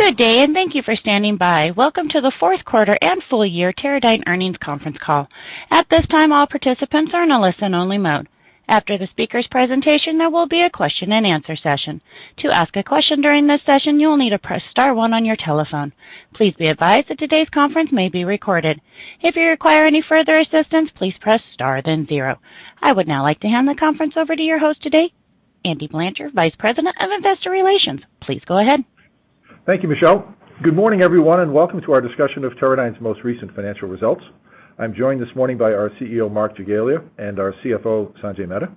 Good day and thank you for standing by. Welcome to the fourth quarter and full year Teradyne Earnings conference call. At this time, all participants are in a listen-only mode. After the speaker's presentation, there will be a question-and-answer session. To ask a question during this session, you'll need to press star one on your telephone. Please be advised that today's conference may be recorded. If you require any further assistance, please press star, then zero. I would now like to hand the conference over to your host today, Andy Blanchard, Vice President of Investor Relations. Please go ahead. Thank you, Michelle. Good morning, everyone, and Welcome to our discussion of Teradyne's most recent financial results. I'm joined this morning by our CEO, Mark Jagiela, and our CFO, Sanjay Mehta.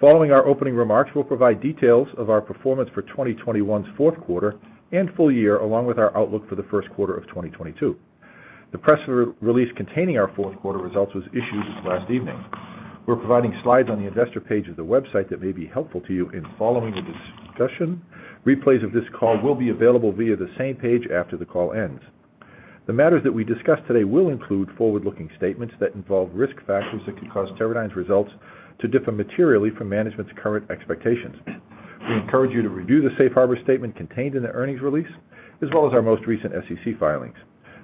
Following our opening remarks, we'll provide details of our performance for 2021's fourth quarter and full year, along with our outlook for the first quarter of 2022. The press release containing our fourth quarter results was issued last evening. We're providing slides on the investor page of the website that may be helpful to you in following the discussion. Replays of this call will be available via the same page after the call ends. The matters that we discuss today will include forward-looking statements that involve risk factors that could cause Teradyne's results to differ materially from management's current expectations. We encourage you to review the safe harbor statement contained in the earnings release, as well as our most recent SEC filings.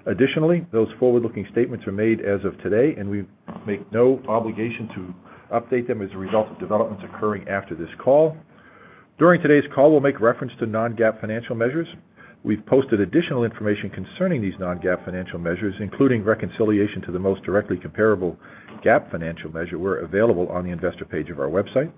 Additionally, those forward-looking statements are made as of today, and we undertake no obligation to update them as a result of developments occurring after this call. During today's call, we'll make reference to non-GAAP financial measures. We've posted additional information concerning these non-GAAP financial measures, including reconciliations to the most directly comparable GAAP financial measures, which are available on the investor page of our website.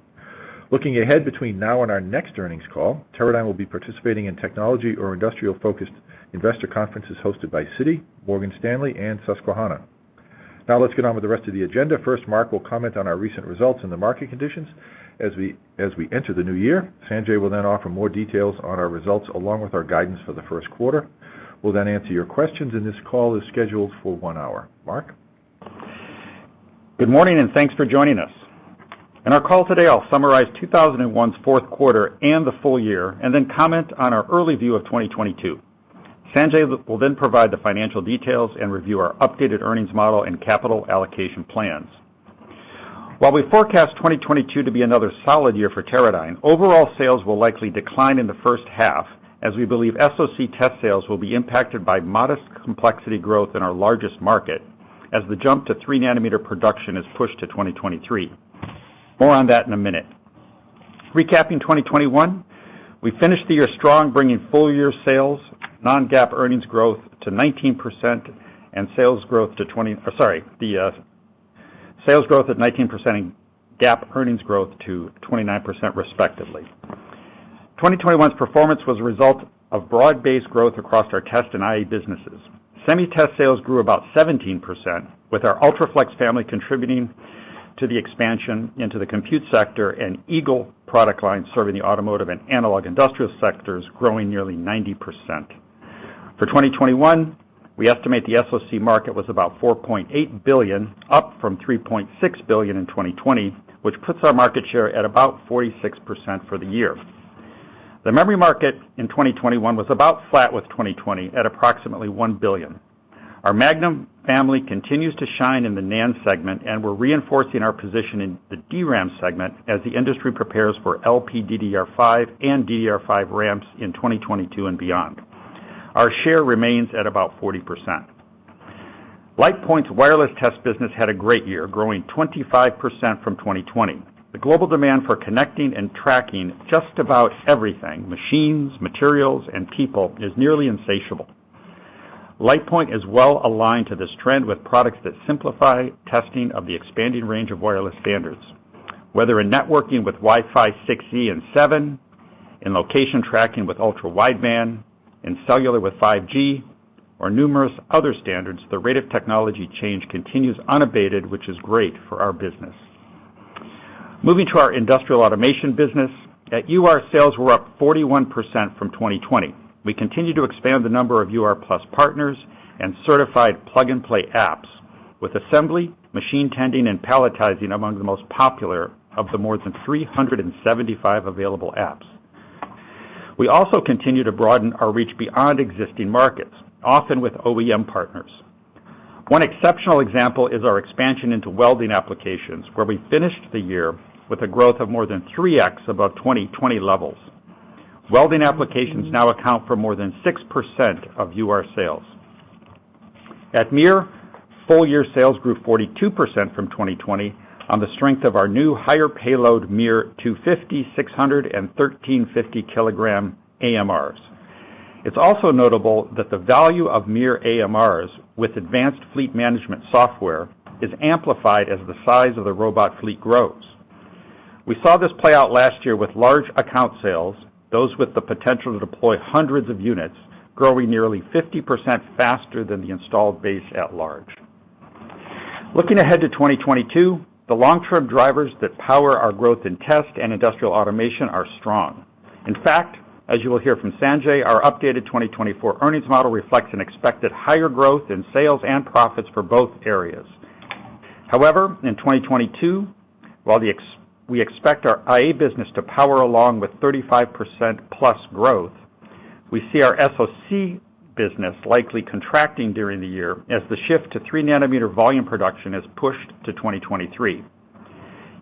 Looking ahead between now and our next earnings call, Teradyne will be participating in technology or industrial-focused investor conferences hosted by Citi, Morgan Stanley, and Susquehanna. Now let's get on with the rest of the agenda. First, Mark will comment on our recent results and the market conditions as we enter the new year. Sanjay will then offer more details on our results along with our guidance for the first quarter. We'll then answer your questions, and this call is scheduled for one hour. Mark? Good morning, and thanks for joining us. In our call today, I'll summarize 2021's fourth quarter and the full year and then comment on our early view of 2022. Sanjay will then provide the financial details and review our updated earnings model and capital allocation plans. While we forecast 2022 to be another solid year for Teradyne, overall sales will likely decline in the first half, as we believe SOC test sales will be impacted by modest complexity growth in our largest market, as the jump to 3-nanometer production is pushed to 2023. More on that in a minute. Recapping 2021, we finished the year strong, bringing full-year sales, non-GAAP earnings growth to 19%, and sales growth of 19% and GAAP earnings growth to 29% respectively. 2021's performance was a result of broad-based growth across our test and IE businesses. Semi-test sales grew about 17%, with our UltraFlex family contributing to the expansion into the compute sector and Eagle product line serving the automotive and analog industrial sectors growing nearly 90%. For 2021, we estimate the SoC market was about $4.8 billion, up from $3.6 billion in 2020, which puts our market share at about 46% for the year. The memory market in 2021 was about flat with 2020 at approximately $1 billion. Our Magnum family continues to shine in the NAND segment, and we're reinforcing our position in the DRAM segment as the industry prepares for LPDDR5 and DDR5 ramps in 2022 and beyond. Our share remains at about 40%. LitePoint's wireless test business had a great year, growing 25% from 2020. The global demand for connecting and tracking just about everything, machines, materials, and people, is nearly insatiable. LitePoint is well-aligned to this trend with products that simplify testing of the expanding range of wireless standards, whether in networking with Wi-Fi 6E and 7, in location tracking with ultra-wideband, in cellular with 5G or numerous other standards. The rate of technology change continues unabated, which is great for our business. Moving to our industrial automation business, at UR sales were up 41% from 2020. We continue to expand the number of UR+ partners and certified plug-and-play apps with assembly, machine tending, and palletizing among the most popular of the more than 375 available apps. We also continue to broaden our reach beyond existing markets, often with OEM partners. One exceptional example is our expansion into welding applications, where we finished the year with a growth of more than 3x above 2020 levels. Welding applications now account for more than 6% of UR sales. At MiR, full-year sales grew 42% from 2020 on the strength of our new higher payload MiR 250 kg, 600 kg, and 1,350-kg AMRs. It's also notable that the value of MiR AMRs with advanced fleet management software is amplified as the size of the robot fleet grows. We saw this play out last year with large account sales, those with the potential to deploy hundreds of units growing nearly 50% faster than the installed base at large. Looking ahead to 2022, the long-term drivers that power our growth in test and industrial automation are strong. In fact, as you will hear from Sanjay, our updated 2024 earnings model reflects an expected higher growth in sales and profits for both areas. However, in 2022, while we expect our IA business to power along with +35% growth, we see our SOC business likely contracting during the year as the shift to 3-nanometer volume production is pushed to 2023.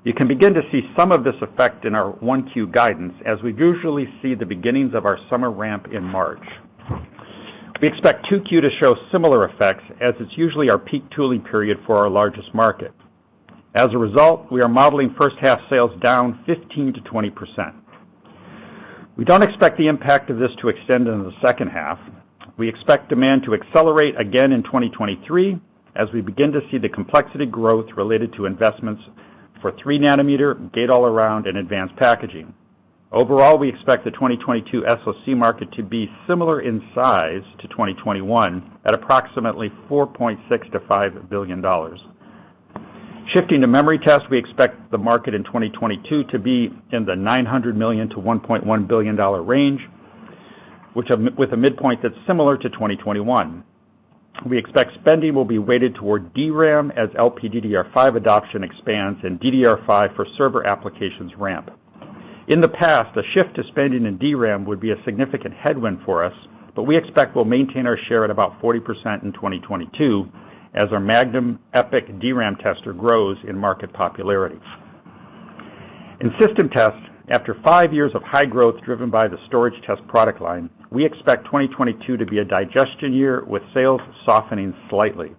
You can begin to see some of this effect in our 1Q guidance as we usually see the beginnings of our summer ramp in March. We expect 2Q to show similar effects as it's usually our peak tooling period for our largest market. As a result, we are modeling first half sales down 15%-20%. We don't expect the impact of this to extend into the second half. We expect demand to accelerate again in 2023 as we begin to see the complexity growth related to investments for 3-nanometer gate-all-around and advanced packaging. Overall, we expect the 2022 SoC market to be similar in size to 2021 at approximately $4.6 billion-$5 billion. Shifting to memory test, we expect the market in 2022 to be in the $900 million-$1.1 billion range, which, with a midpoint that's similar to 2021. We expect spending will be weighted toward DRAM as LPDDR5 adoption expands and DDR5 for server applications ramp. In the past, the shift to spending in DRAM would be a significant headwind for us, but we expect we'll maintain our share at about 40% in 2022 as our Magnum EPIC DRAM tester grows in market popularity. In system test, after five years of high growth driven by the storage test product line, we expect 2022 to be a digestion year with sales softening slightly.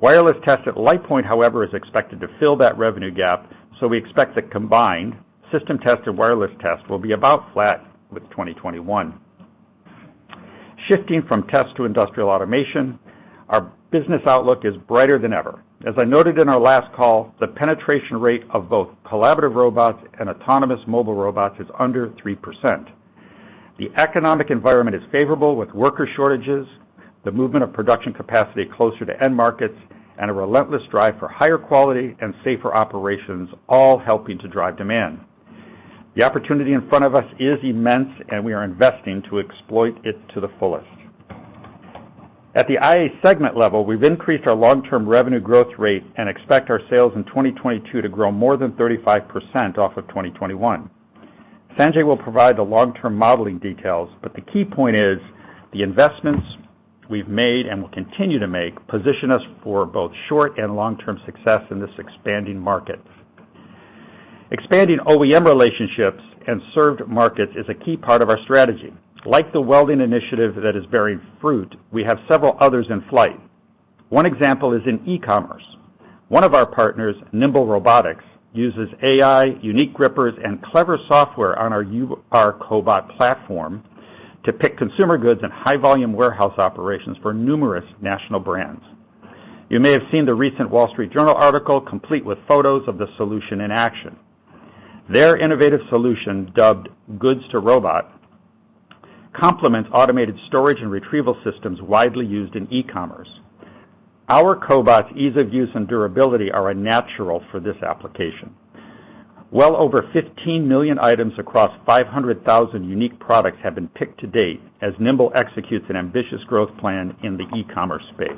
Wireless test at LitePoint, however, is expected to fill that revenue gap, so we expect that combined system test or wireless test will be about flat with 2021. Shifting from test to industrial automation, our business outlook is brighter than ever. As I noted in our last call, the penetration rate of both collaborative robots and autonomous mobile robots is under 3%. The economic environment is favorable with worker shortages, the movement of production capacity closer to end markets, and a relentless drive for higher quality and safer operations, all helping to drive demand. The opportunity in front of us is immense, and we are investing to exploit it to the fullest. At the IA segment level, we've increased our long-term revenue growth rate and expect our sales in 2022 to grow more than 35% off of 2021. Sanjay will provide the long-term modeling details, but the key point is the investments we've made and will continue to make position us for both short and long-term success in this expanding market. Expanding OEM relationships and served markets is a key part of our strategy. Like the welding initiative that is bearing fruit, we have several others in flight. One example is in e-commerce. One of our partners, Nimble Robotics, uses AI, unique grippers, and clever software on our UR cobot platform to pick consumer goods and high-volume warehouse operations for numerous national brands. You may have seen the recent Wall Street Journal article, complete with photos of the solution in action. Their innovative solution, dubbed Goods to Robot, complements automated storage and retrieval systems widely used in e-commerce. Our cobots ease of use and durability are a natural for this application. Well over 15 million items across 500,000 unique products have been picked to date as Nimble executes an ambitious growth plan in the e-commerce space.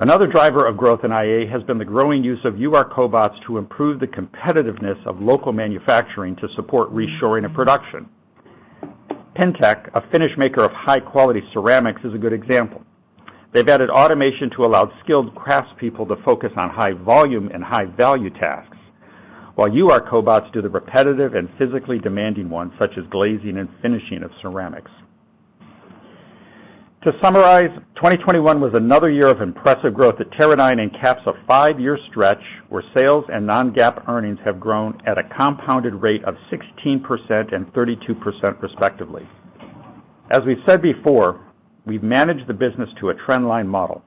Another driver of growth in IA has been the growing use of UR cobots to improve the competitiveness of local manufacturing to support reshoring of production. Pentik, a Finnish maker of high-quality ceramics, is a good example. They've added automation to allow skilled craftspeople to focus on high volume and high value tasks, while UR cobots do the repetitive and physically demanding ones such as glazing and finishing of ceramics. To summarize, 2021 was another year of impressive growth at Teradyne and caps a five-year stretch where sales and non-GAAP earnings have grown at a compounded rate of 16% and 32% respectively. As we've said before, we've managed the business to a trendline model.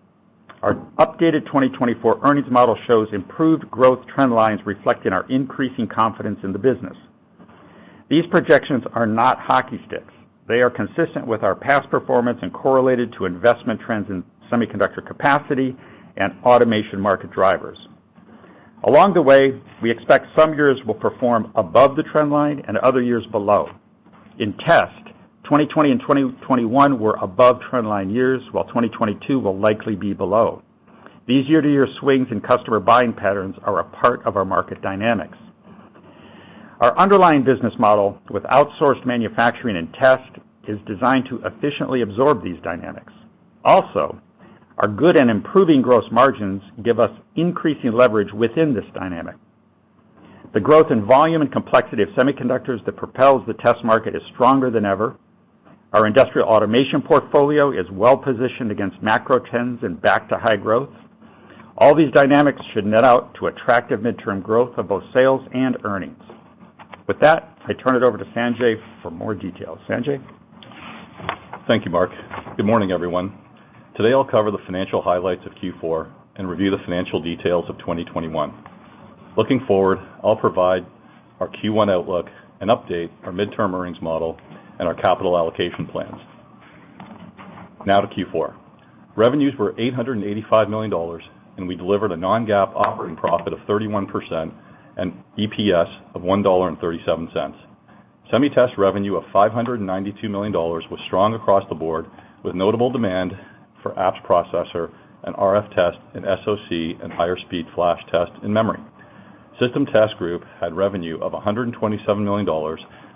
Our updated 2024 earnings model shows improved growth trend lines reflecting our increasing confidence in the business. These projections are not hockey sticks. They are consistent with our past performance and correlated to investment trends in semiconductor capacity and automation market drivers. Along the way, we expect some years will perform above the trend line and other years below. In test, 2020 and 2021 were above trendline years, while 2022 will likely be below. These year-to-year swings in customer buying patterns are a part of our market dynamics. Our underlying business model with outsourced manufacturing and test is designed to efficiently absorb these dynamics. Our good and improving gross margins give us increasing leverage within this dynamic. The growth in volume and complexity of semiconductors that propels the test market is stronger than ever. Our industrial automation portfolio is well-positioned against macro trends and back to high growth. All these dynamics should net out to attractive midterm growth of both sales and earnings. With that, I turn it over to Sanjay for more details. Sanjay? Thank you, Mark. Good morning, everyone. Today, I'll cover the financial highlights of Q4 and review the financial details of 2021. Looking forward, I'll provide our Q1 outlook and update our midterm earnings model and our capital allocation plans. Now to Q4. Revenues were $885 million, and we delivered a non-GAAP operating profit of 31% and EPS of $1.37. Semi test revenue of $592 million was strong across the board, with notable demand for apps processor and RF test and SoC and higher speed flash test in memory. System test group had revenue of $127 million,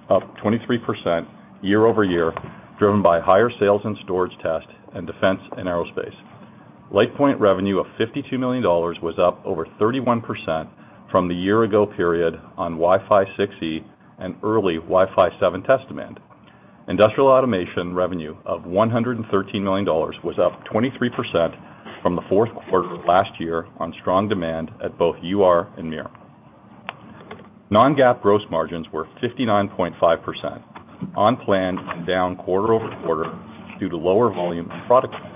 up 23% year-over-year, driven by higher sales and storage test and defense and aerospace. LitePoint revenue of $52 million was up over 31% from the year ago period on Wi-Fi 6E and early Wi-Fi 7 test demand. Industrial automation revenue of $113 million was up 23% from the fourth quarter last year on strong demand at both UR and MiR. Non-GAAP gross margins were 59.5%, on plan and down quarter-over-quarter due to lower volume and product mix.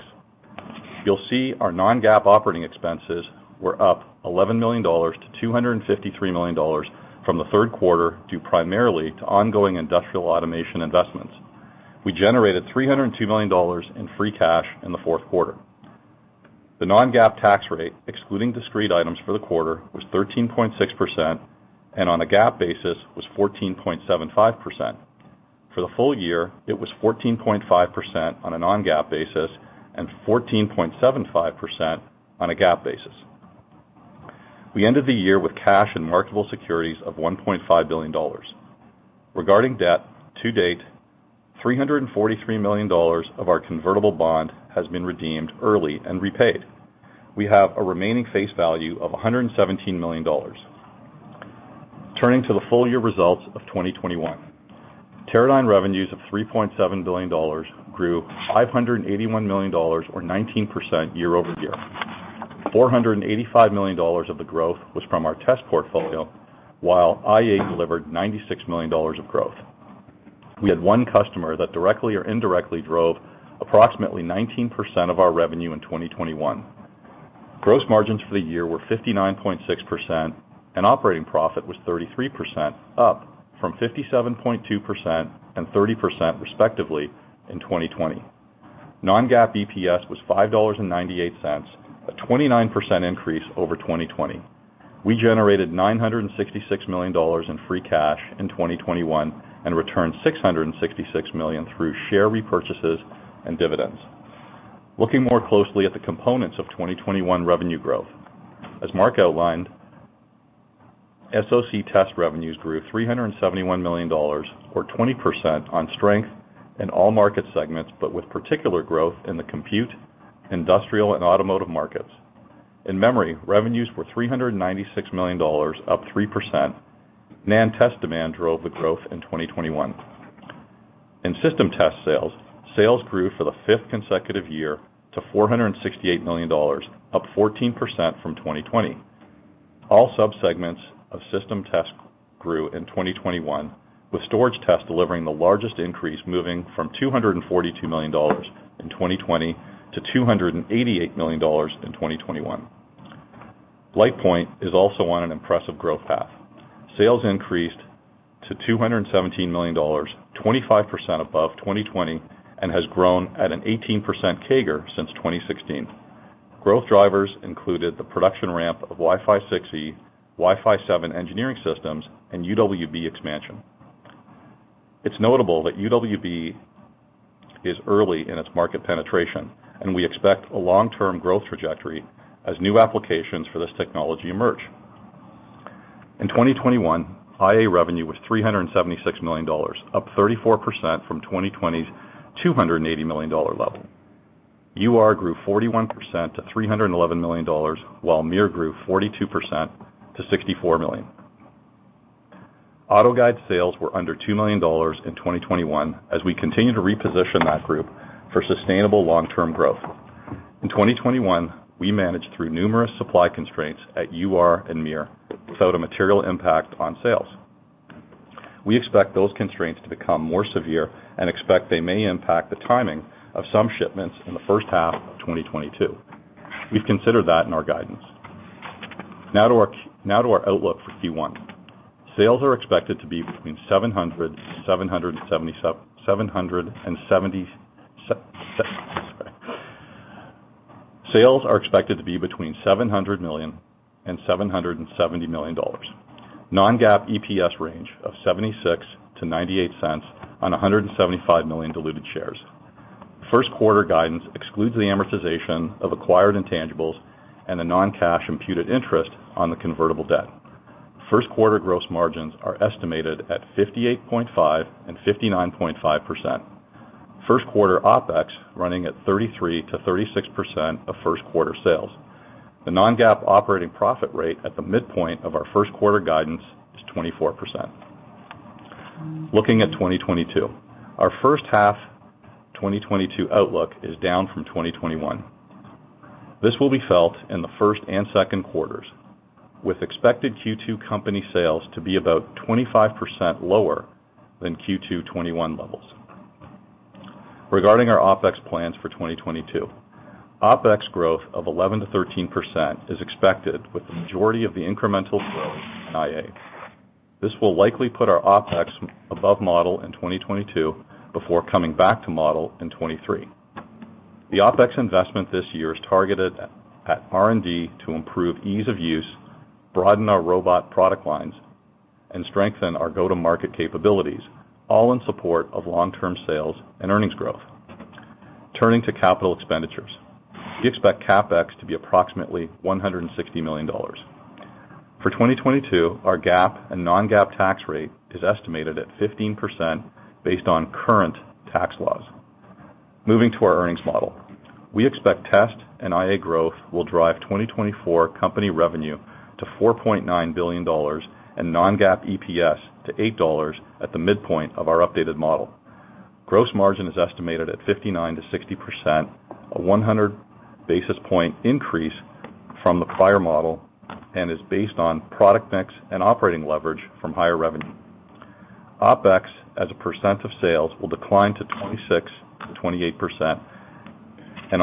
You'll see our non-GAAP operating expenses were up $11 million-$253 million from the third quarter, due primarily to ongoing industrial automation investments. We generated $302 million in free cash in the fourth quarter. The non-GAAP tax rate, excluding discrete items for the quarter, was 13.6%, and on a GAAP basis was 14.75%. For the full year, it was 14.5% on a non-GAAP basis and 14.75% on a GAAP basis. We ended the year with cash and marketable securities of $1.5 billion. Regarding debt, to date, $343 million of our convertible bond has been redeemed early and repaid. We have a remaining face value of $117 million. Turning to the full year results of 2021. Teradyne revenues of $3.7 billion grew $581 million or 19% year-over-year. $485 million of the growth was from our test portfolio, while IA delivered $96 million of growth. We had one customer that directly or indirectly drove approximately 19% of our revenue in 2021. Gross margins for the year were 59.6%, and operating profit was 33%, up from 57.2% and 30% respectively in 2020. Non-GAAP EPS was $5.98, a 29% increase over 2020. We generated $966 million in free cash in 2021 and returned $666 million through share repurchases and dividends. Looking more closely at the components of 2021 revenue growth. As Mark outlined, SOC test revenues grew $371 million or 20% on strength in all market segments, but with particular growth in the compute, industrial, and automotive markets. In memory, revenues were $396 million, up 3%. NAND test demand drove the growth in 2021. In system test sales grew for the fifth consecutive year to $468 million, up 14% from 2020. All subsegments of system test grew in 2021, with storage test delivering the largest increase, moving from $242 million in 2020 to $288 million in 2021. LitePoint is also on an impressive growth path. Sales increased to $217 million, 25% above 2020, and has grown at an 18% CAGR since 2016. Growth drivers included the production ramp of Wi-Fi 6E, Wi-Fi 7 engineering systems, and UWB expansion. It's notable that UWB is early in its market penetration, and we expect a long-term growth trajectory as new applications for this technology emerge. In 2021, IA revenue was $376 million, up 34% from 2020's $280 million level. UR grew 41% to $311 million, while MiR grew 42% to $64 million. AutoGuide sales were under $2 million in 2021 as we continue to reposition that group for sustainable long-term growth. In 2021, we managed through numerous supply constraints at UR and MiR without a material impact on sales. We expect those constraints to become more severe and expect they may impact the timing of some shipments in the first half of 2022. We've considered that in our guidance. Now to our outlook for Q1. Sales are expected to be between $700 million and $777 million. Sales are expected to be between $700 million and $770 million. Non-GAAP EPS range of $0.76-$0.98 on 175 million diluted shares. First quarter guidance excludes the amortization of acquired intangibles and the non-cash imputed interest on the convertible debt. First quarter gross margins are estimated at 58.5%-59.5%. First quarter OpEx running at 33%-36% of first quarter sales. The non-GAAP operating profit rate at the midpoint of our first quarter guidance is 24%. Looking at 2022. Our first half 2022 outlook is down from 2021. This will be felt in the first and second quarters, with expected Q2 company sales to be about 25% lower than Q2 2021 levels. Regarding our OpEx plans for 2022. OpEx growth of 11%-13% is expected, with the majority of the incremental growth in IA. This will likely put our OpEx above model in 2022 before coming back to model in 2023. The OpEx investment this year is targeted at R&D to improve ease of use, broaden our robot product lines, and strengthen our go-to-market capabilities, all in support of long-term sales and earnings growth. Turning to capital expenditures. We expect CapEx to be approximately $160 million. For 2022, our GAAP and non-GAAP tax rate is estimated at 15% based on current tax laws. Moving to our earnings model. We expect test and IA growth will drive 2024 company revenue to $4.9 billion and non-GAAP EPS to $8 at the midpoint of our updated model. Gross margin is estimated at 59%-60%, a 100 basis point increase from the prior model, and is based on product mix and operating leverage from higher revenue. OpEx as a percent of sales will decline to 26%-28% and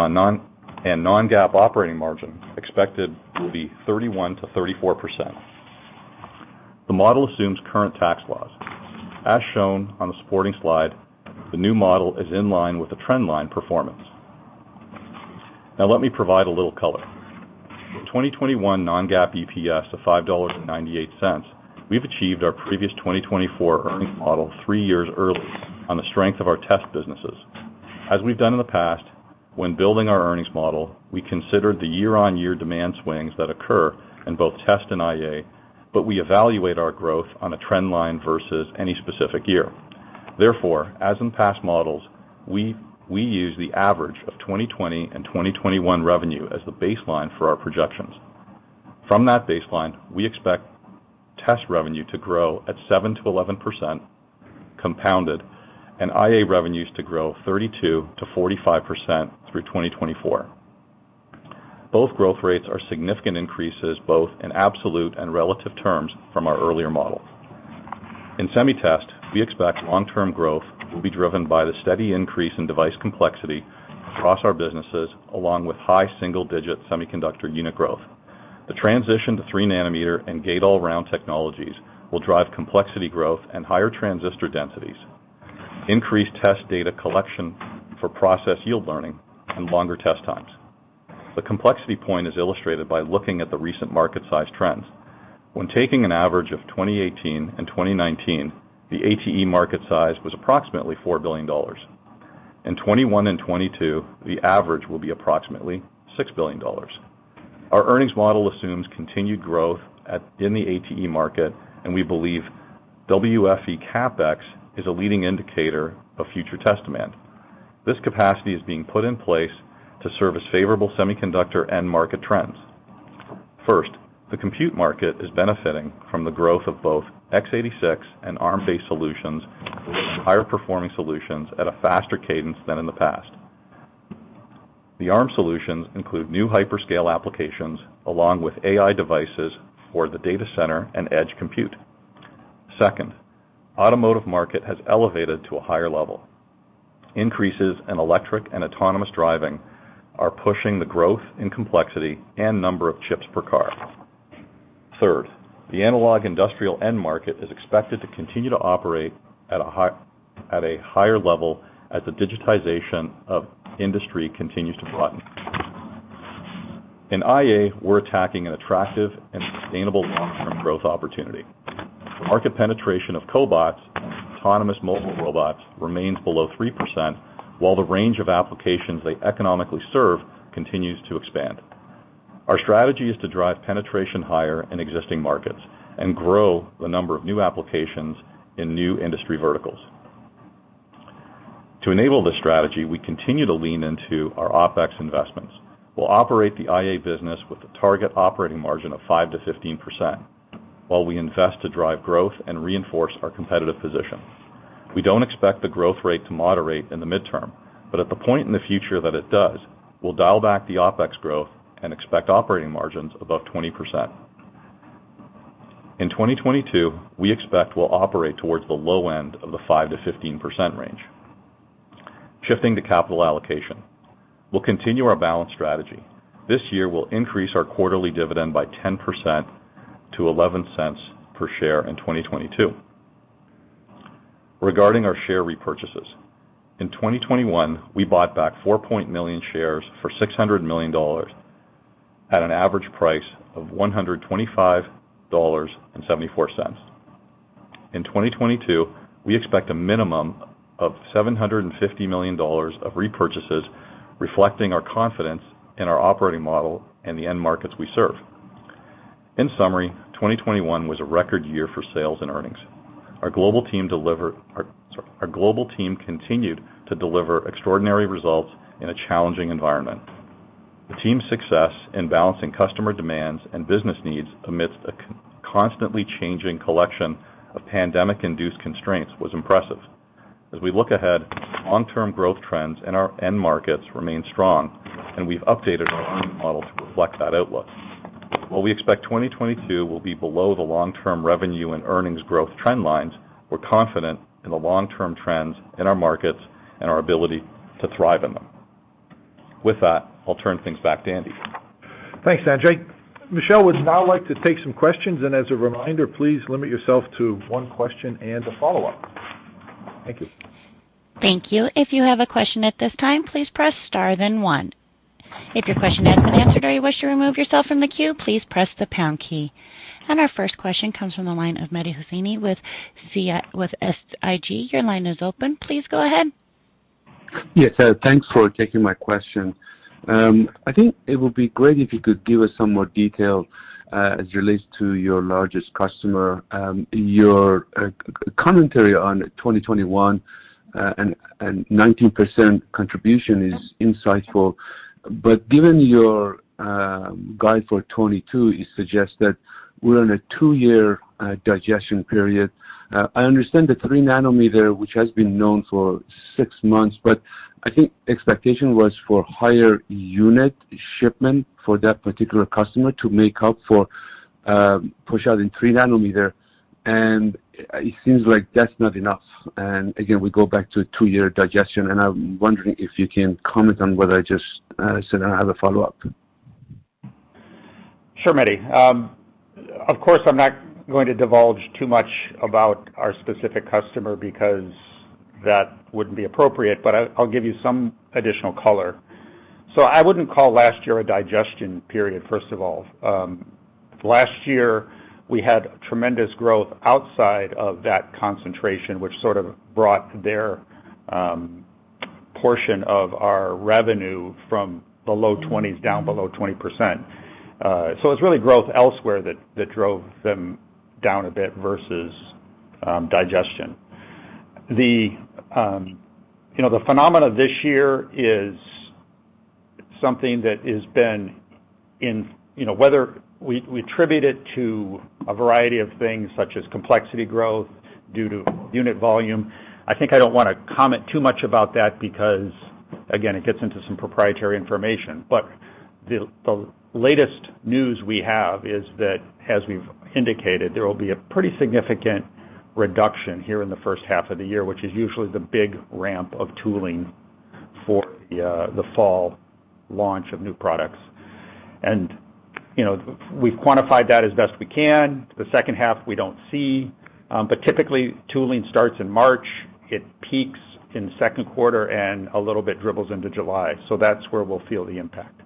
non-GAAP operating margin expected will be 31%-34%. The model assumes current tax laws. As shown on the supporting slide, the new model is in line with the trend line performance. Now let me provide a little color. In 2021 non-GAAP EPS of $5.98, we've achieved our previous 2024 earnings model three years early on the strength of our test businesses. As we've done in the past, when building our earnings model, we considered the year-on-year demand swings that occur in both test and IA, but we evaluate our growth on a trend line versus any specific year. Therefore, as in past models, we use the average of 2020 and 2021 revenue as the baseline for our projections. From that baseline, we expect test revenue to grow at 7%-11% compounded and IA revenues to grow 32%-45% through 2024. Both growth rates are significant increases, both in absolute and relative terms from our earlier models. In Semi Test, we expect long-term growth will be driven by the steady increase in device complexity across our businesses, along with high single-digit semiconductor unit growth. The transition to 3 nanometer and gate-all-around technologies will drive complexity growth and higher transistor densities, increase test data collection for process yield learning, and longer test times. The complexity point is illustrated by looking at the recent market size trends. When taking an average of 2018 and 2019, the ATE market size was approximately $4 billion. In 2021 and 2022, the average will be approximately $6 billion. Our earnings model assumes continued growth at, in the ATE market, and we believe WFE CapEx is a leading indicator of future test demand. This capacity is being put in place to serve as favorable semiconductor end market trends. First, the compute market is benefiting from the growth of both X86 and Arm-based solutions with higher performing solutions at a faster cadence than in the past. The Arm solutions include new hyperscale applications along with AI devices for the data center and edge compute. Second, automotive market has elevated to a higher level. Increases in electric and autonomous driving are pushing the growth in complexity and number of chips per car. Third, the analog industrial end market is expected to continue to operate at a higher level as the digitization of industry continues to broaden. In IA, we're attacking an attractive and sustainable long-term growth opportunity. The market penetration of cobots and autonomous mobile robots remains below 3%, while the range of applications they economically serve continues to expand. Our strategy is to drive penetration higher in existing markets and grow the number of new applications in new industry verticals. To enable this strategy, we continue to lean into our OpEx investments. We'll operate the IA business with a target operating margin of 5%-15% while we invest to drive growth and reinforce our competitive position. We don't expect the growth rate to moderate in the midterm, but at the point in the future that it does, we'll dial back the OpEx growth and expect operating margins above 20%. In 2022, we expect we'll operate towards the low end of the 5%-15% range. Shifting to capital allocation. We'll continue our balanced strategy. This year, we'll increase our quarterly dividend by 10% to $0.11 per share in 2022. Regarding our share repurchases, in 2021, we bought back 4.1 million shares for $600 million at an average price of $125.74. In 2022, we expect a minimum of $750 million of repurchases, reflecting our confidence in our operating model and the end markets we serve. In summary, 2021 was a record year for sales and earnings. Our global team continued to deliver extraordinary results in a challenging environment. The team's success in balancing customer demands and business needs amidst a constantly changing collection of pandemic-induced constraints was impressive. As we look ahead, long-term growth trends in our end markets remain strong, and we've updated our earnings model to reflect that outlook. While we expect 2022 will be below the long-term revenue and earnings growth trend lines, we're confident in the long-term trends in our markets and our ability to thrive in them. With that, I'll turn things back to Andy. Thanks, Sanjay. Michelle would now like to take some questions, and as a reminder, please limit yourself to one question and a follow-up. Thank you. Thank you. If you have a question at this time, please press star then one. If your question has been answered or you wish to remove yourself from the queue, please press the pound key. Our first question comes from the line of Mehdi Hosseini with SIG. Your line is open. Please go ahead. Yes, sir. Thanks for taking my question. I think it would be great if you could give us some more detail as it relates to your largest customer. Your commentary on 2021 and 19% contribution is insightful. Given your guide for 2022, you suggest that we're in a two-year digestion period. I understand the 3 nanometer, which has been known for six months, but I think expectation was for higher unit shipment for that particular customer to make up for push out in 3 nanometer. It seems like that's not enough. Again, we go back to two-year digestion, and I'm wondering if you can comment on whether I just misunderstood. I have a follow-up. Sure, Mehdi. Of course, I'm not going to divulge too much about our specific customer because that wouldn't be appropriate, but I'll give you some additional color. I wouldn't call last year a digestion period, first of all. Last year, we had tremendous growth outside of that concentration, which sort of brought their portion of our revenue from the low 20s down below 20%. It's really growth elsewhere that drove them down a bit versus digestion. You know, the phenomena this year is something that has been in, you know, whether we attribute it to a variety of things such as complexity growth due to unit volume. I think I don't wanna comment too much about that because, again, it gets into some proprietary information. The latest news we have is that as we've indicated, there will be a pretty significant reduction here in the first half of the year, which is usually the big ramp of tooling for the fall launch of new products. You know, we've quantified that as best we can. The second half, we don't see. Typically tooling starts in March, it peaks in second quarter and a little bit dribbles into July. That's where we'll feel the impact.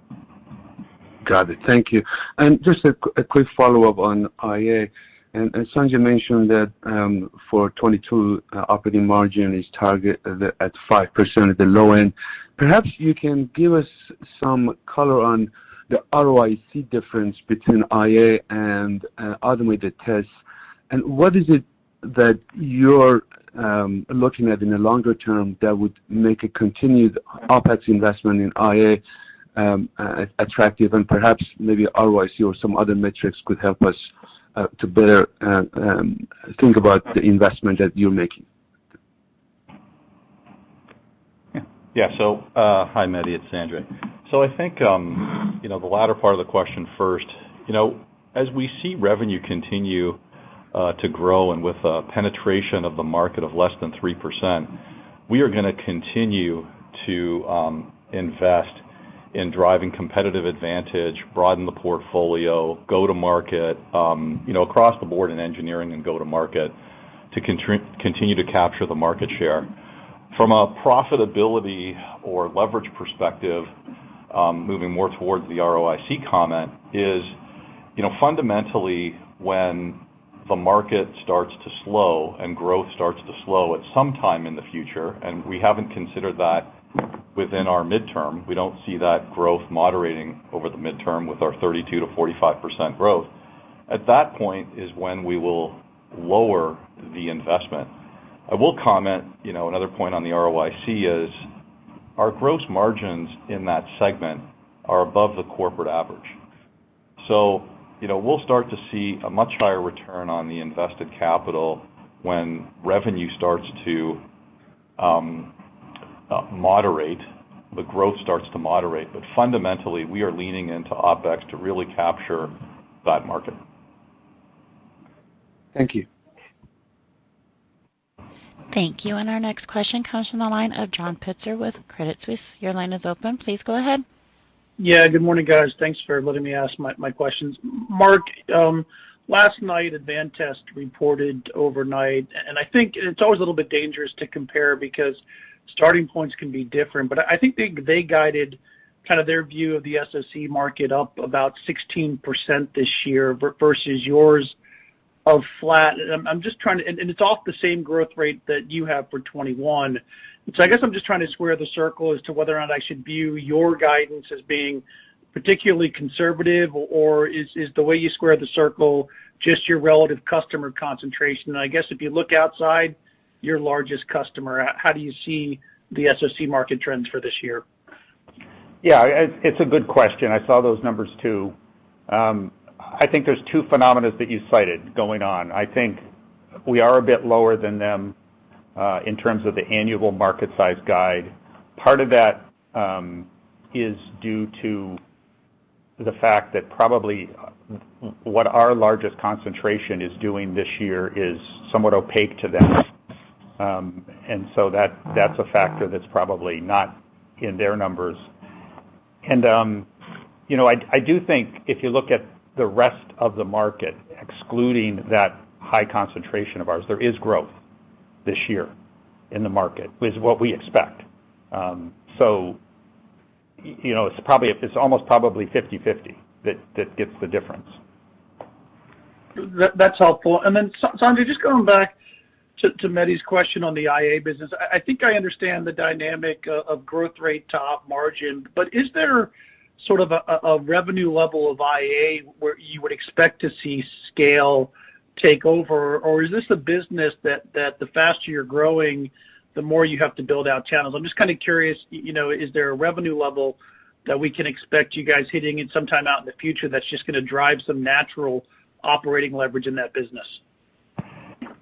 Got it. Thank you. Just a quick follow-up on IA. Sanjay mentioned that for 2022, operating margin is targeted at 5% at the low end. Perhaps you can give us some color on the ROIC difference between IA and automated test, and what is it that you're looking at in the longer term that would make a continued OpEx investment in IA attractive and perhaps maybe ROIC or some other metrics could help us to better think about the investment that you're making. Hi, Mehdi, it's Sanjay. I think, you know, the latter part of the question first. You know, as we see revenue continue to grow and with a penetration of the market of less than 3%, we are gonna continue to invest in driving competitive advantage, broaden the portfolio, go-to-market, you know, across the board in engineering and go-to-market to continue to capture the market share. From a profitability or leverage perspective, moving more towards the ROIC comment is, you know, fundamentally, when the market starts to slow and growth starts to slow at some time in the future, and we haven't considered that within our midterm, we don't see that growth moderating over the midterm with our 32%-45% growth. At that point is when we will lower the investment. I will comment, you know, another point on the ROIC is our gross margins in that segment are above the corporate average. You know, we'll start to see a much higher return on the invested capital when revenue starts to moderate, the growth starts to moderate. But fundamentally, we are leaning into OpEx to really capture that market. Thank you. Thank you. Our next question comes from the line of John Pitzer with Credit Suisse. Your line is open. Please go ahead. Yeah, good morning, guys. Thanks for letting me ask my questions. Mark, last night, Advantest reported overnight, and I think it's always a little bit dangerous to compare because starting points can be different. I think they guided kind of their view of the SoC market up about 16% this year versus yours of flat. It's off the same growth rate that you have for 2021. I guess I'm just trying to square the circle as to whether or not I should view your guidance as being particularly conservative, or is the way you square the circle just your relative customer concentration? I guess if you look outside your largest customer, how do you see the SoC market trends for this year? Yeah, it's a good question. I saw those numbers too. I think there's two phenomena that you cited going on. I think we are a bit lower than them in terms of the annual market size guidance. Part of that is due to the fact that probably what our largest concentration is doing this year is somewhat opaque to them. That's a factor that's probably not in their numbers. You know, I do think if you look at the rest of the market, excluding that high concentration of ours, there is growth this year in the market, is what we expect. You know, it's probably almost 50/50 that gets the difference. That's helpful. Sanjay, just going back to Mehdi's question on the IA business. I think I understand the dynamic of growth rate to op margin, but is there sort of a revenue level of IA where you would expect to see scale take over? Or is this a business that the faster you're growing, the more you have to build out channels? I'm just kind of curious, you know, is there a revenue level that we can expect you guys hitting it sometime out in the future that's just gonna drive some natural operating leverage in that business?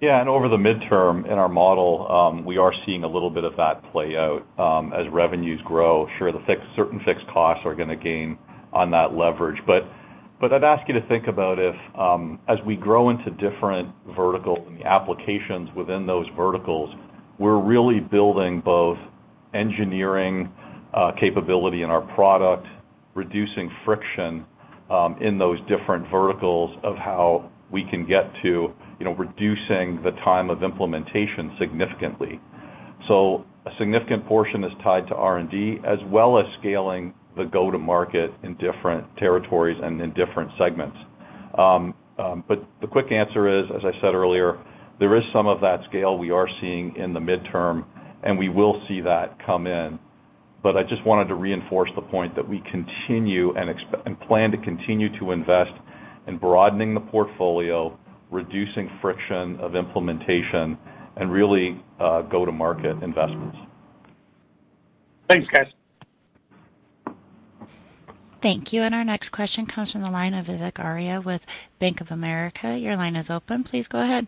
Yeah. Over the midterm in our model, we are seeing a little bit of that play out, as revenues grow. Sure, certain fixed costs are gonna gain on that leverage. But I'd ask you to think about if, as we grow into different verticals and the applications within those verticals, we're really building both engineering capability in our product, reducing friction, in those different verticals of how we can get to, you know, reducing the time of implementation significantly. A significant portion is tied to R&D, as well as scaling the go-to-market in different territories and in different segments. The quick answer is, as I said earlier, there is some of that scale we are seeing in the midterm, and we will see that come in. I just wanted to reinforce the point that we continue and plan to continue to invest in broadening the portfolio, reducing friction of implementation and really, go-to-market investments. Thanks, guys. Thank you. Our next question comes from the line of Vivek Arya with Bank of America. Your line is open. Please go ahead.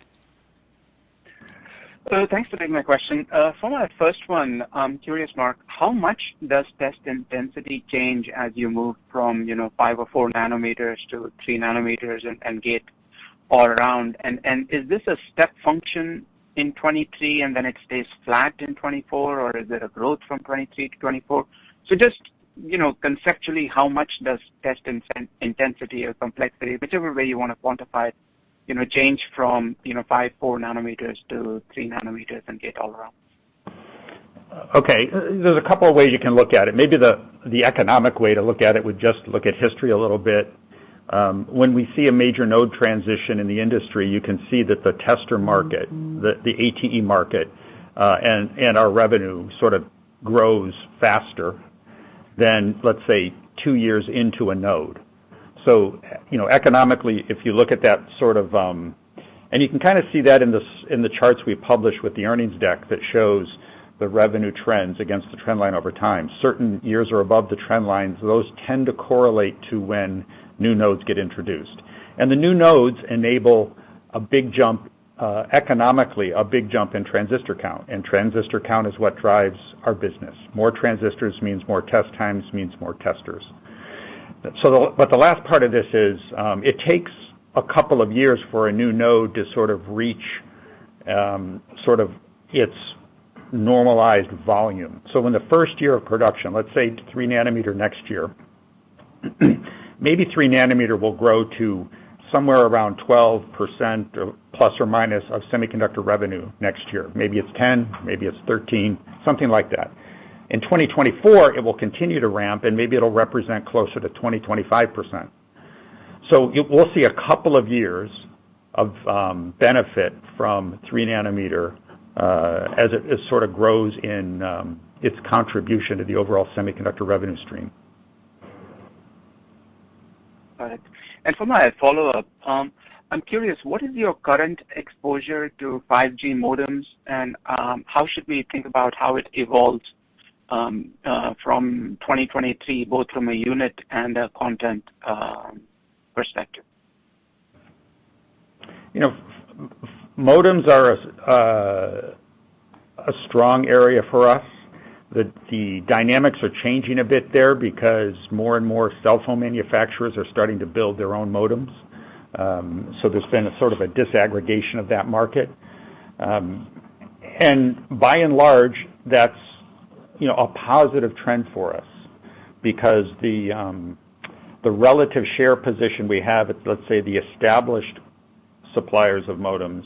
Thanks for taking my question. For my first one, I'm curious, Mark, how much does test intensity change as you move from, you know, 5 or 4 nanometers-3 nanometers and gate-all-around? Is this a step function in 2023 and then it stays flat in 2024, or is it a growth from 2023-2024? Just, you know, conceptually, how much does test intensity or complexity, whichever way you want to quantify it, you know, change from, you know, 5 or 4 nanometers- 3 nanometers and gate-all-around? Okay. There's a couple of ways you can look at it. Maybe the economic way to look at it would just look at history a little bit. When we see a major node transition in the industry, you can see that the tester market, the ATE market, and our revenue sort of grows faster than, let's say, two years into a node. You know, economically, if you look at that sort of, you can kind of see that in the charts we publish with the earnings deck that shows the revenue trends against the trend line over time. Certain years are above the trend line, so those tend to correlate to when new nodes get introduced. The new nodes enable a big jump economically, a big jump in transistor count, and transistor count is what drives our business. More transistors mean more test times, means more testers. The last part of this is, it takes a couple of years for a new node to sort of reach, sort of its normalized volume. In the first year of production, let's say 3-nanometer next year, maybe 3-nanometer will grow to somewhere around ±12% of semiconductor revenue next year. Maybe it's 10%, maybe it's 13%, something like that. In 2024, it will continue to ramp, and maybe it'll represent closer to 20%-25%. We'll see a couple of years of benefit from 3 nanometer as it sort of grows in its contribution to the overall semiconductor revenue stream. All right. For my follow-up, I'm curious, what is your current exposure to 5G modems, and how should we think about how it evolves from 2023, both from a unit and a content perspective? You know, modems are a strong area for us. The dynamics are changing a bit there because more and more cell phone manufacturers are starting to build their own modems. So, there's been a sort of a disaggregation of that market. And by and large, that's, you know, a positive trend for us because the relative share position we have at, let's say, the established suppliers of modems,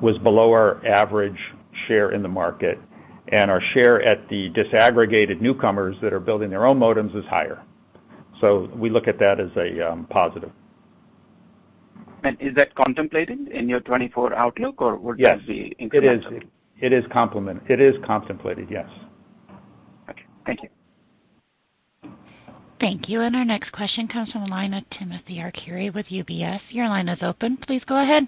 was below our average share in the market, and our share at the disaggregated newcomers that are building their own modems is higher. So, we look at that as a positive. Is that contemplated in your 2024 outlook, or would this be incremental? Yes, it is. It is contemplated, yes. Okay. Thank you. Thank you. Our next question comes from a line of Timothy Arcuri with UBS. Your line is open. Please go ahead.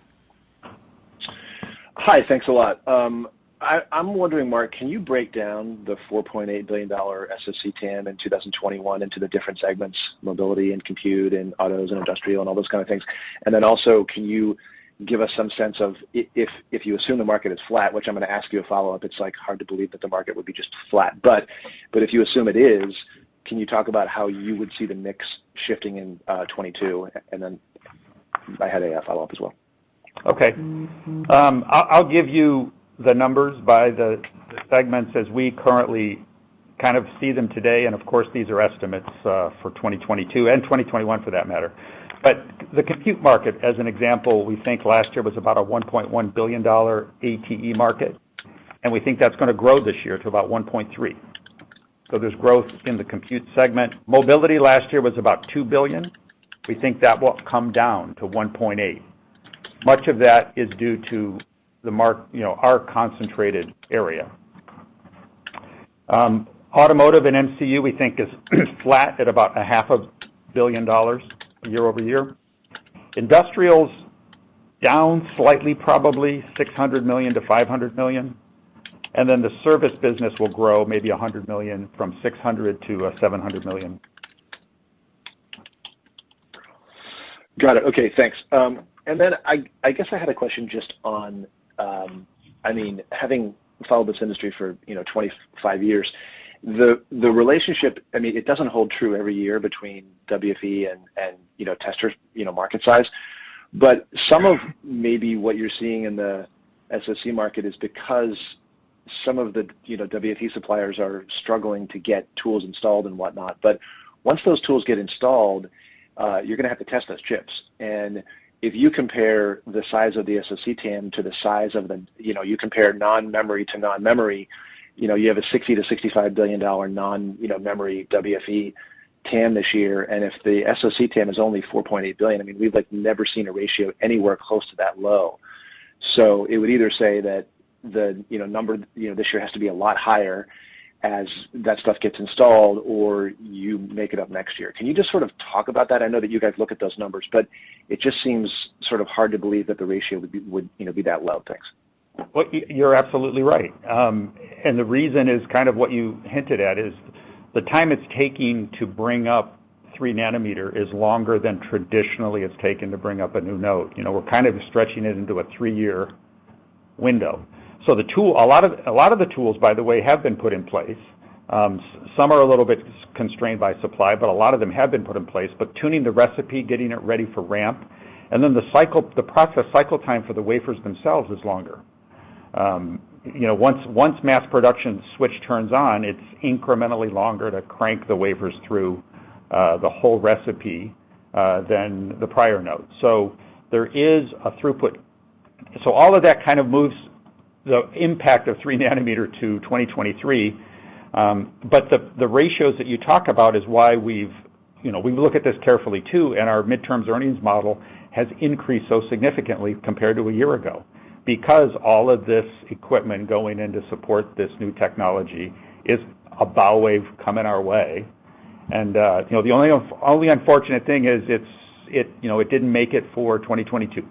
Hi. Thanks a lot. I'm wondering, Mark, can you break down the $4.8 billion SOC TAM in 2021 into the different segments, mobility and compute and autos and industrial and all those kind of things? Also, can you give us some sense of if you assume the market is flat, which I'm gonna ask you a follow-up, it's like hard to believe that the market would be just flat. But if you assume it is, can you talk about how you would see the mix shifting in 2022? I had a follow-up as well. Okay. I'll give you the numbers by the segments as we currently kind of see them today, and of course, these are estimates for 2022 and 2021 for that matter. The compute market, as an example, we think last year was about a $1.1 billion ATE market, and we think that's gonna grow this year to about $1.3 billion. There's growth in the compute segment. Mobility last year was about $2 billion. We think that will come down to $1.8 billion. Much of that is due to you know, our concentrated area. Automotive and MCU, we think, is flat at about $500 million year-over-year. Industrial's down slightly, probably $600 million-$500 million. The service business will grow maybe $100 million from $600 million-$700 million. Got it. Okay, thanks. I guess I had a question just on, I mean, having followed this industry for, you know, 25 years, the relationship, I mean, it doesn't hold true every year between WFE, and you know, testers you know, market size. Some of maybe what you're seeing in the SoC market is because some of the you know, WFE suppliers are struggling to get tools installed and whatnot. Once those tools get installed, you're gonna have to test those chips. If you compare the size of the SoC TAM to the size of the you know, you compare non-memory to non-memory, you know, you have a $60 billion-$65 billion non-memory WFE TAM this year. If the SoC TAM is only $4.8 billion, I mean, we've, like, never seen a ratio anywhere close to that low. It would either say that the, you know, number, you know, this year has to be a lot higher as that stuff gets installed or you make it up next year. Can you just sort of talk about that? I know that you guys look at those numbers, but it just seems sort of hard to believe that the ratio would be, you know, be that low. Thanks. Well, you're absolutely right. The reason is kind of what you hinted at, the time it's taking to bring up 3-nanometer is longer than traditionally it's taken to bring up a new node. You know, we're kind of stretching it into a three-year window. A lot of the tools, by the way, have been put in place. Some are a little bit constrained by supply, but a lot of them have been put in place. Tuning the recipe, getting it ready for ramp, and then the cycle, the process cycle time for the wafers themselves is longer. You know, once mass production switch turns on, it's incrementally longer to crank the wafers through the whole recipe than the prior node. There is a throughput. All of that kind of moves the impact of 3 nanometer to 2023. But the ratios that you talk about is why we've, you know, we look at this carefully too, and our mid-term earnings model has increased so significantly compared to a year ago. Because all of this equipment going in to support this new technology is a bow wave coming our way. The only unfortunate thing is it, you know, it didn't make it for 2022.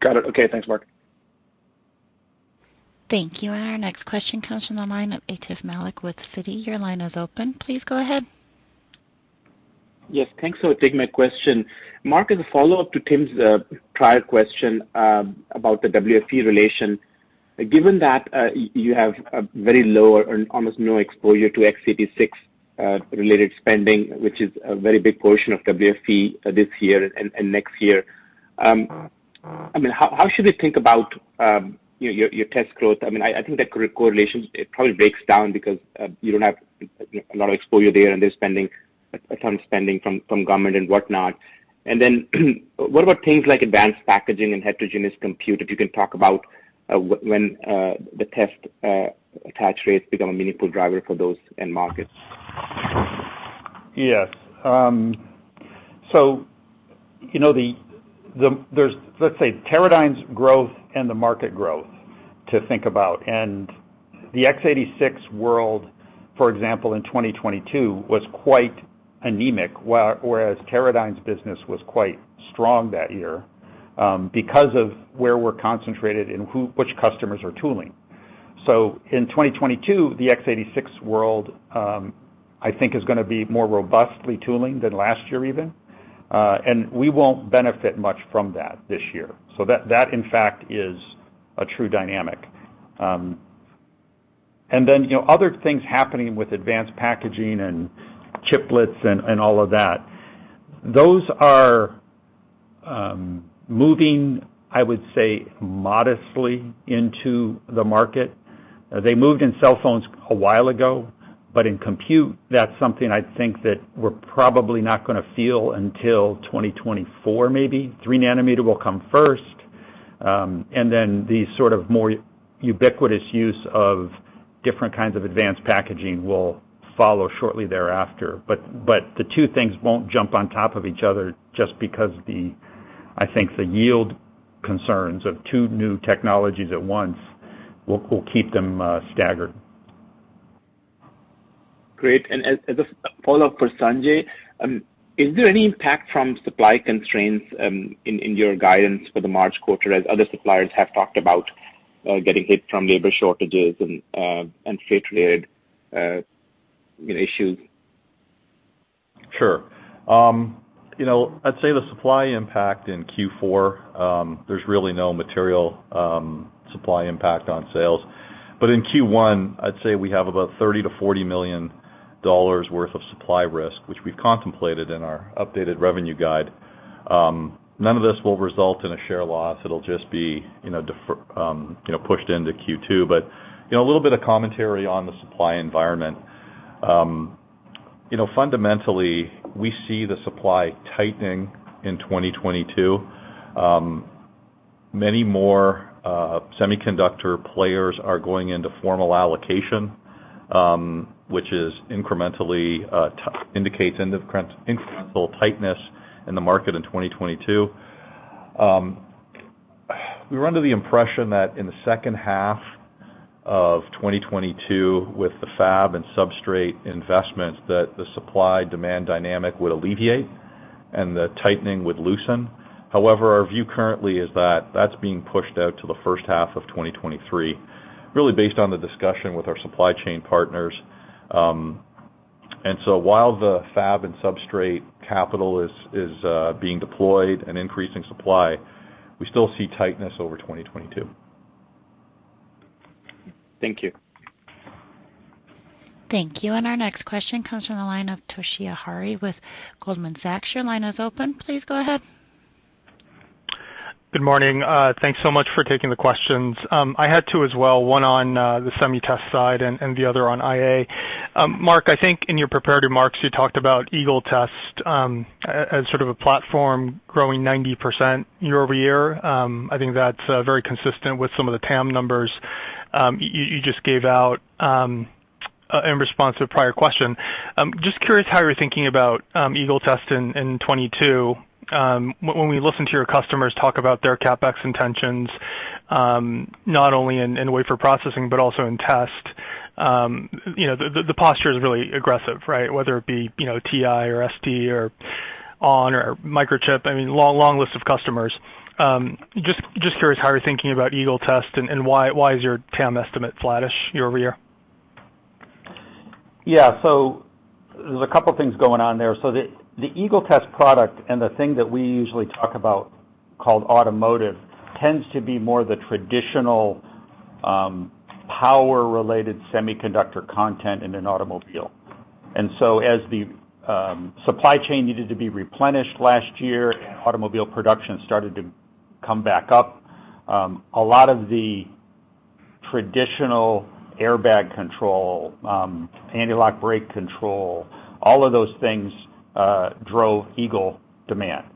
Got it. Okay. Thanks, Mark. Thank you. Our next question comes from the line of Atif Malik with Citi. Your line is open. Please go ahead. Yes, thanks for taking my question. Mark, as a follow-up to Tim's prior question about the WFE relation. Given that you have a very low or almost no exposure to X86 related spending, which is a very big portion of WFE this year and next year, I mean, how should we think about your test growth? I mean, I think the correlations it probably breaks down because you don't have a lot of exposure there, and they're spending a ton of spending from government and whatnot. Then, what about things like advanced packaging and heterogeneous compute? If you can talk about when the test attaches rates become a meaningful driver for those end markets. Yes. You know, there's, let's say, Teradyne's growth and the market growth to think about. The X86 world, for example, in 2022, was quite anemic, whereas Teradyne's business was quite strong that year, because of where we're concentrated and which customers are tooling. In 2022, the X86 world, I think, is gonna be more robustly tooling than last year even, and we won't benefit much from that this year. That in fact is a true dynamic. Then, you know, other things happening with advanced packaging and chiplets and all of that, those are moving, I would say, modestly into the market. They moved in cell phones a while ago, but in compute, that's something I think that we're probably not gonna feel until 2024 maybe. 3 nanometer will come first, and then the sort of more ubiquitous use of different kinds of advanced packaging will follow shortly thereafter. The two things won't jump on top of each other just because the, I think, the yield concerns of two new technologies at once will keep them staggered. Great. As a follow-up for Sanjay, is there any impact from supply constraints in your guidance for the March quarter, as other suppliers have talked about getting hit from labor shortages and freight-related, you know, issues? Sure. You know, I'd say the supply impact in Q4, there's really no material supply impact on sales. In Q1, I'd say we have about $30 million-$40 million worth of supply risk, which we've contemplated in our updated revenue guide. None of this will result in a share loss. It'll just be, you know, pushed into Q2. You know, a little bit of commentary on the supply environment. You know, fundamentally, we see the supply tightening in 2022. Many more semiconductor players are going into formal allocation, which incrementally indicates incremental tightness in the market in 2022. We were under the impression that in the second half of 2022, with the fab and substrate investments, that the supply-demand dynamic would alleviate and the tightening would loosen. However, our view currently is that that's being pushed out to the first half of 2023, really based on the discussion with our supply chain partners. While the fab and substrate capital is being deployed and increasing supply, we still see tightness over 2022. Thank you. Thank you. Our next question comes from the line of Toshiya Hari with Goldman Sachs. Your line is open. Please go ahead. Good morning. Thanks so much for taking the questions. I had two as well, one on the semi-test side and the other on IA. Mark, I think in your prepared remarks, you talked about Eagle test as sort of a platform growing 90% year-over-year. I think that's very consistent with some of the TAM numbers you just gave out in response to a prior question. Just curious how you're thinking about Eagle test in 2022. When we listen to your customers talk about their CapEx intentions, not only in wafer processing but also in test, you know, the posture is really aggressive, right? Whether it be, you know, TI or ST or ON or Microchip, I mean, long list of customers. Just curious how you're thinking about Eagle test and why is your TAM estimate flattish year-over-year? Yeah. There's a couple things going on there. The Eagle test product and the thing that we usually talk about called automotive tends to be more the traditional power-related semiconductor content in an automobile. As the supply chain needed to be replenished last year and automobile production started to come back up, a lot of the traditional airbag control, anti-lock brake control, all of those things drove Eagle demand.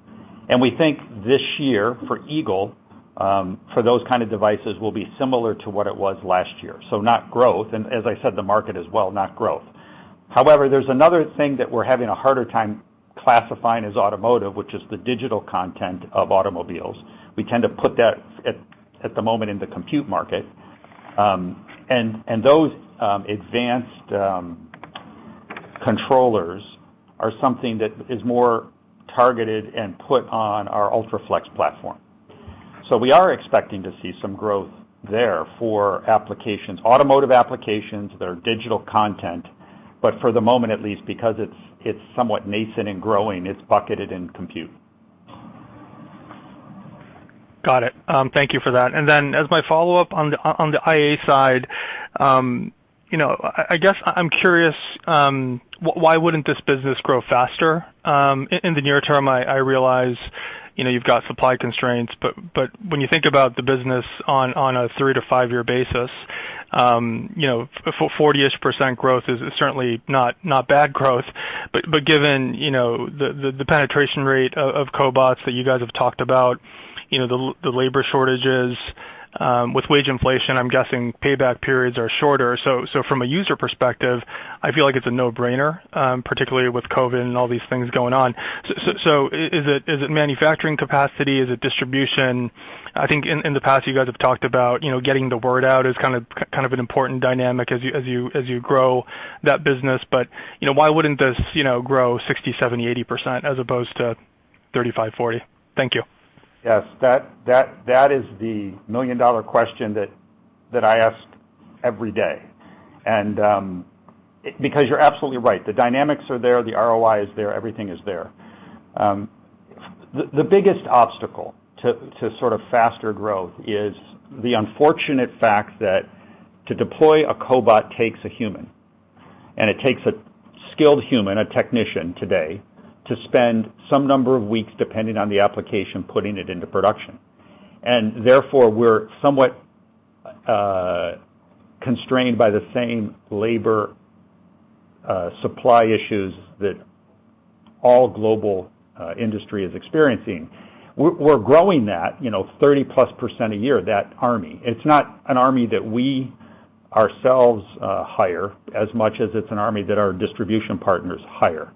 We think this year for Eagle, for those kinds of devices, will be similar to what it was last year, so not growth. As I said, the market is, well, not growth. However, there's another thing that we're having a harder time classifying as automotive, which is the digital content of automobiles. We tend to put that at the moment in the compute market. Those advanced controllers are something that is more targeted and put on our UltraFLEX platform. We are expecting to see some growth there for applications, automotive applications that are digital content. For the moment at least, because it's somewhat nascent and growing, it's bucketed in compute. Got it. Thank you for that. Then as my follow-up on the IA side, I guess I'm curious, why wouldn't this business grow faster in the near term? I realize you've got supply constraints, but when you think about the business on a three to five-year basis, 40% growth is certainly not bad growth. But given the penetration rate of cobots that you guys have talked about, the labor shortages with wage inflation, I'm guessing payback periods are shorter. So, from a user perspective, I feel it's a no-brainer, particularly with COVID and all these things going on. So, is it manufacturing capacity? Is it distribution? I think in the past, you guys have talked about, you know, getting the word out as kind of an important dynamic as you grow that business. You know, why wouldn't this, you know, grow 60%, 70%, 80% as opposed to 35%, 40%? Thank you. Yes. That is the million-dollar question that I ask every day. Because you're absolutely right. The dynamics are there, the ROI is there, everything is there. The biggest obstacle to sort of faster growth is the unfortunate fact that to deploy a cobot takes a human, and it takes a skilled human, a technician today, to spend some number of weeks, depending on the application, putting it into production. Therefore, we're somewhat constrained by the same labor supply issues that all global industry is experiencing. We're growing that, you know, +30% a year, that army. It's not an army that we ourselves hire as much as it's an army that our distribution partners hire.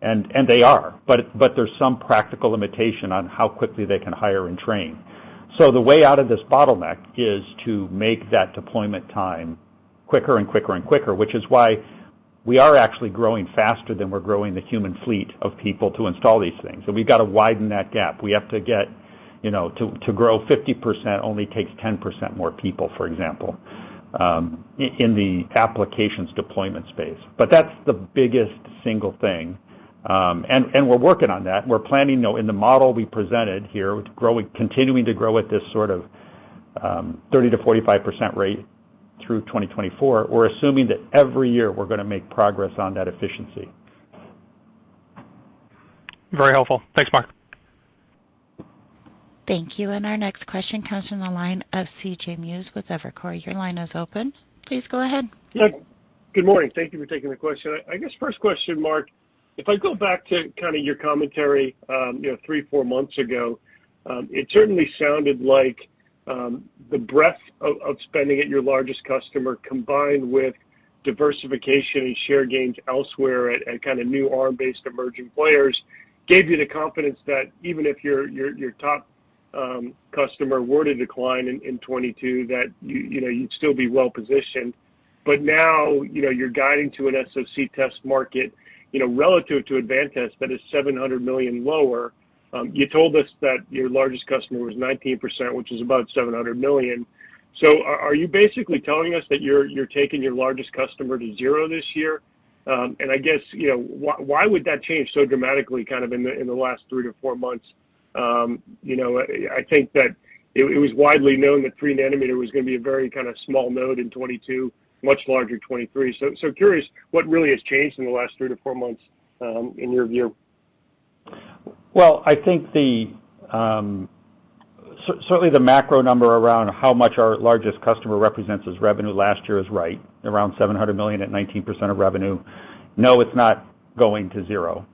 They are, but there's some practical limitation on how quickly they can hire and train. The way out of this bottleneck is to make that deployment time quicker and quicker and quicker, which is why we are actually growing faster than we're growing the human fleet of people to install these things. We've got to widen that gap. We have to get, you know, to grow 50% only takes 10% more people, for example, in the applications deployment space. But that's the biggest single thing. We're working on that. We're planning, you know, in the model we presented here, continuing to grow at this sort of 30%-45% rate through 2024, we're assuming that every year we're going to make progress on that efficiency. Very helpful. Thanks, Mark. Thank you. Our next question comes from the line of C.J. Muse with Evercore. Your line is open. Please go ahead. Yeah. Good morning. Thank you for taking the question. My first question, Mark, if I go back to kind of your commentary, you know, three to four months ago, it certainly sounded like the breadth of spending at your largest customer combined with diversification and share gains elsewhere at kind of new ARM-based emerging players gave you the confidence that even if your top customer were to decline in 2022 that you know, you'd still be well-positioned. Now, you know, you're guiding to a SoC test market, you know, relative to Advantest that is $700 million lower. You told us that your largest customer was 19%, which is about $700 million. Are you basically telling us that you're taking your largest customer to zero this year? I guess, you know, why would that change so dramatically kind of in the last three to four months? I think that it was widely known that 3 nanometer was gonna be a very kind of small node in 2022, much larger in 2023. Curious what really has changed in the last three to four months, in your view? Well, I think certainly the macro number around how much our largest customer represents as revenue last year is right, around $700 million at 19% of revenue. No, it's not going to zero.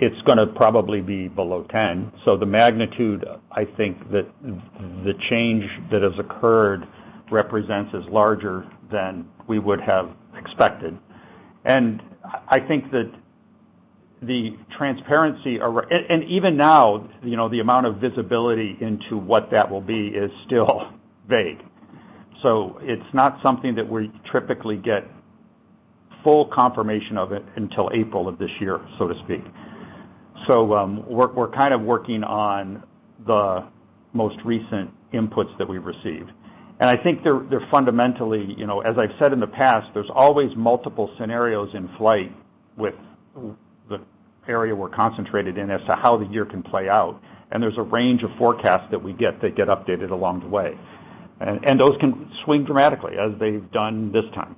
It's gonna probably be below 10%. The magnitude, I think that the change that has occurred represents is larger than we would have expected. I think that the transparency around and even now, you know, the amount of visibility into what that will be is still vague. It's not something that we typically get full confirmation of it until April of this year, so to speak. We're kind of working on the most recent inputs that we've received. I think they're fundamentally, you know, as I've said in the past, there's always multiple scenarios in flight with the area we're concentrated in as to how the year can play out, and there's a range of forecasts that we get that get updated along the way. Those can swing dramatically as they've done this time.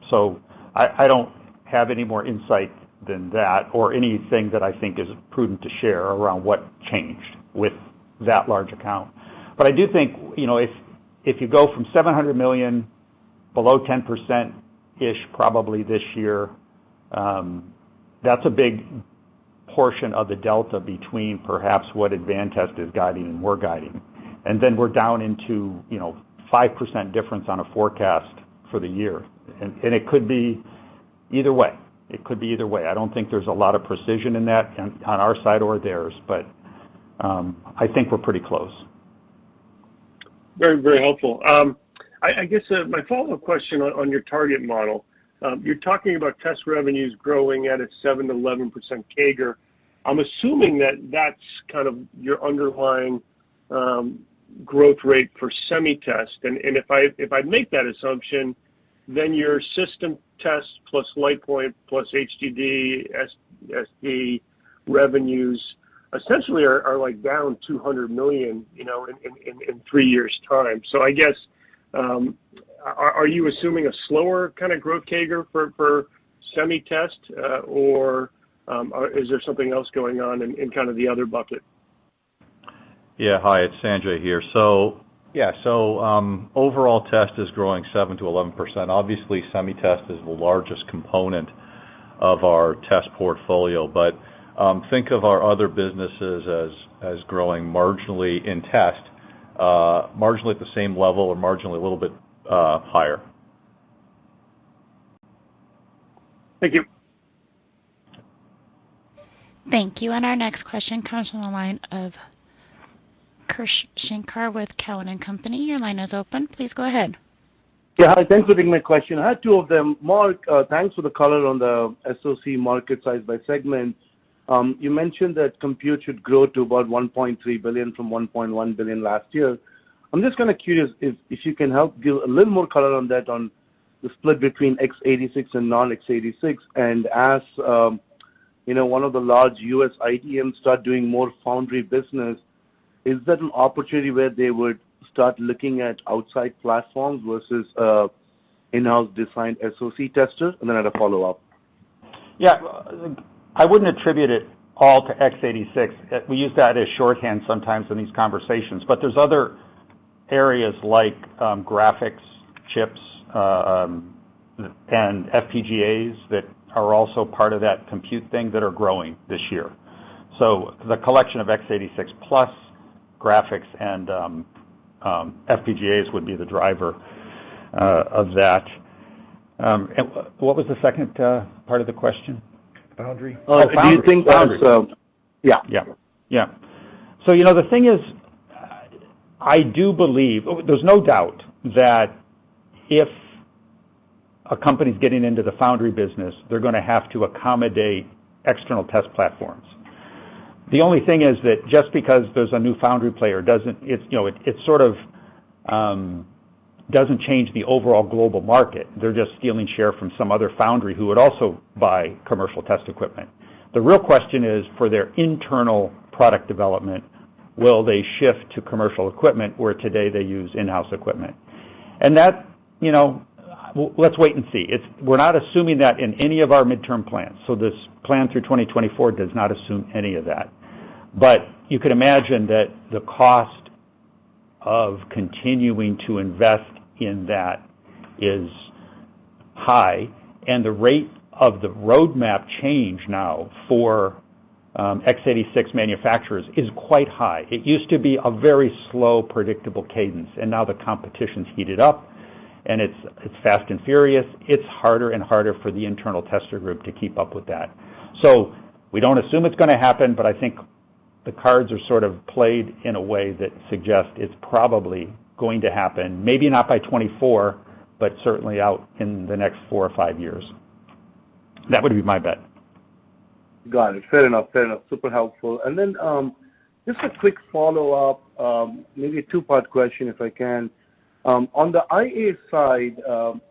I don't have any more insight than that or anything that I think is prudent to share around what changed with that large account. I do think, you know, if you go from $700 million below 10% probably this year, that's a big portion of the delta between perhaps what Advantest is guiding and we're guiding. Then we're down into, you know, 5% difference on a forecast for the year. It could be either way. It could be either way. I don't think there's a lot of precision in that on our side or theirs, but I think we're pretty close. Very, very helpful. I guess my follow-up question on your target model. You're talking about test revenues growing at a 7%-11% CAGR. I'm assuming that's kind of your underlying growth rate for semi-test. If I make that assumption, then your system test plus LitePoint plus HDD, SD revenues essentially are like down $200 million, you know, in three years time. I guess, are you assuming a slower kind of growth CAGR for semi-test, or is there something else going on in kind of the other bucket? Hi, it's Sanjay here. Overall test is growing 7%-11%. Obviously, semi-test is the largest component of our test portfolio but think of our other businesses as growing marginally in test, marginally at the same level or marginally a little bit higher. Thank you. Thank you. Our next question comes from the line of Krish Sankar with Cowen and Company. Your line is open. Please go ahead. Hi. Thanks for taking my question. I have two of them. Mark, thanks for the color on the SOC market size by segment. You mentioned that compute should grow to about $1.3 billion from $1.1 billion last year. I'm just kind of curious if you can help give a little more color on that on the split between X86 and non-X86. And as you know, one of the large U.S. IDMs start doing more foundry business, is that an opportunity where they would start looking at outside platforms versus in-house designed SOC testers? And then I had a follow-up. Yeah. I wouldn't attribute it all to X86. We use that as shorthand sometimes in these conversations, but there's other areas like graphics, chips, and FPGAs that are also part of that compute thing that are growing this year. The collection of X86 plus graphics and FPGAs would be the driver of that. What was the second part of the question? Foundry. Oh, do you think foundry. Yeah. Yeah. Yeah. You know, the thing is I do believe there's no doubt that if a company's getting into the foundry business, they're gonna have to accommodate external test platforms. The only thing is that just because there's a new foundry player doesn't change the overall global market. They're just stealing share from some other foundry who would also buy commercial test equipment. The real question is, for their internal product development, will they shift to commercial equipment where today they use in-house equipment? That, you know, well, let's wait and see. We're not assuming that in any of our midterm plans, so this plan through 2024 does not assume any of that. You could imagine that the cost of continuing to invest in that is high, and the rate of the roadmap change now for X86 manufacturers is quite high. It used to be a very slow, predictable cadence, and now the competition's heated up and it's fast and furious. It's harder and harder for the internal tester group to keep up with that. We don't assume it's gonna happen, but I think the cards are sort of played in a way that suggests it's probably going to happen, maybe not by 2024, but certainly out in the next four or five years. That would be my bet. Got it. Fair enough. Super helpful. Just a quick follow-up, maybe a two-part question, if I can. On the IA side,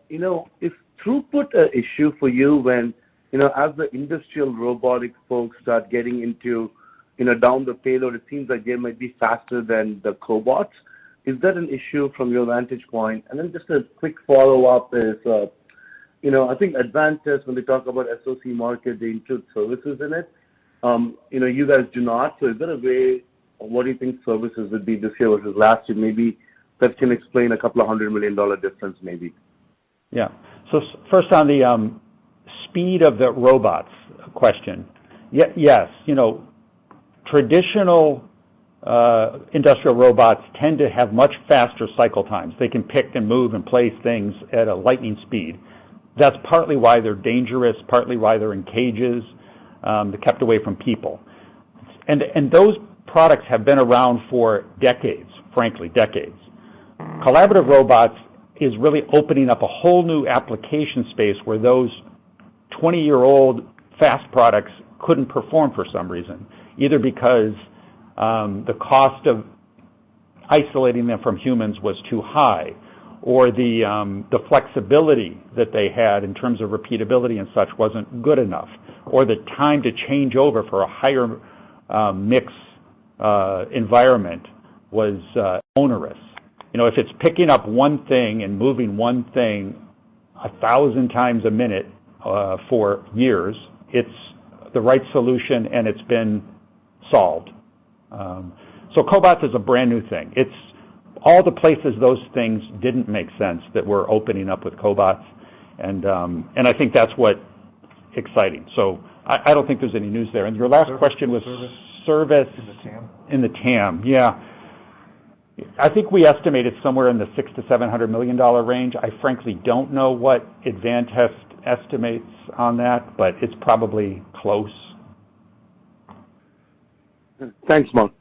you know, is throughput an issue for you when, you know, as the industrial robotic folks start getting into, you know, down the payload, it seems like they might be faster than the cobots. Is that an issue from your vantage point? Just a quick follow-up is, you know, I think Advantest, when they talk about SOC market, they include services in it. You know, you guys do not. Is there a way or what do you think services would be this year versus last year maybe that can explain $200 million difference maybe? Yeah. First, on the speed of the robot's question. Yes. You know, traditional industrial robots tend to have much faster cycle times. They can pick and move and place things at a lightning speed. That's partly why they're dangerous, partly why they're in cages, they're kept away from people. And those products have been around for decades, frankly, decades. Collaborative robots is really opening up a whole new application space where those 20-year-old fast products couldn't perform for some reason, either because the cost of isolating them from humans was too high, or the flexibility that they had in terms of repeatability and such wasn't good enough, or the time to change over for a higher mix environment was onerous. You know, if it's picking up one thing and moving one thing 1,000 times a minute, for years, it's the right solution, and it's been solved. Cobots is a brand-new thing. It's all the places those things didn't make sense that we're opening up with cobots, and I think that's what exciting. So, I don't think there's any news there. Your last question was- Service In the TAM. Yeah. I think we estimated somewhere in the $600 million-$700 million range. I frankly don't know what Advantest estimates on that, but it's probably close. Thanks, Mark.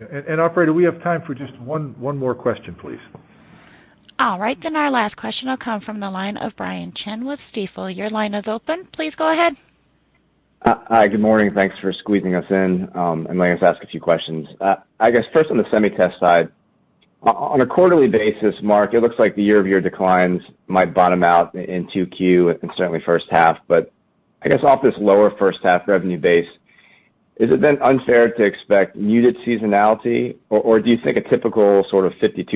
Operator, we have time for just one more question, please. All right. Our last question will come from the line of Brian Chin with Stifel. Your line is open. Please go ahead. Hi. Good morning. Thanks for squeezing us in and letting us ask a few questions. I guess first on the SemiTest side, on a quarterly basis, Mark, it looks like the year-over-year declines might bottom out in 2Q and certainly first half. I guess off this lower first half revenue base, is it then unfair to expect muted seasonality or do you think a typical sort of 52%,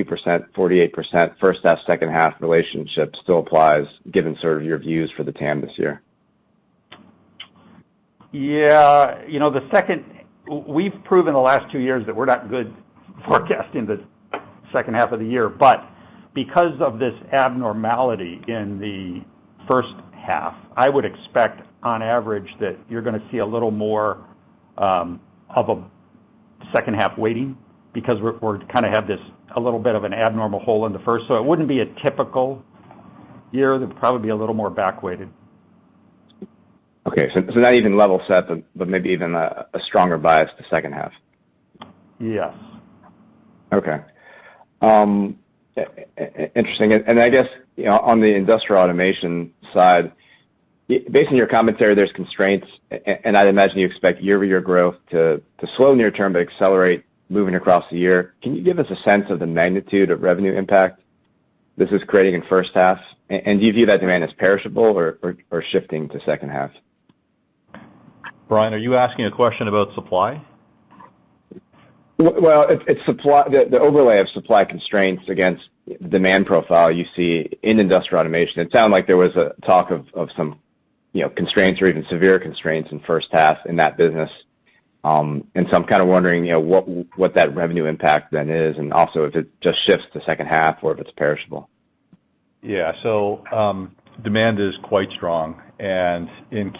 48% first half, second half relationship still applies given sort of your views for the TAM this year? Yeah. You know, we've proven the last two years that we're not good forecasting the second half of the year. Because of this abnormality in the first half, I would expect on average that you're gonna see a little more of a second half weighting because we're kind of have this a little bit of an abnormal hole in the first. It wouldn't be a typical year. It would probably be a little more back weighted. Okay. Not even level set, but maybe even a stronger bias to second half. Yes. Interesting. I guess, you know, on the industrial automation side, based on your commentary, there's constraints and I'd imagine you expect year-over-year growth to slow near-term but accelerate moving across the year. Can you give us a sense of the magnitude of revenue impact this is creating in first half? Do you view that demand as perishable or shifting to second half? Brian, are you asking a question about supply? Well, it's the overlay of supply constraints against the demand profile you see in industrial automation. It sounded like there was a talk of some, you know, constraints or even severe constraints in first half in that business. I'm kind of wondering, you know, what that revenue impact then is, and also if it just shifts to second half or if it's perishable. Yeah. Demand is quite strong. In